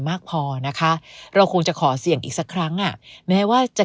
มากพอนะคะเราคงจะขอเสี่ยงอีกสักครั้งอ่ะแม้ว่าจะ